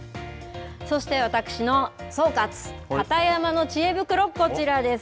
そして私の総括、片山のちえ袋、こちらです。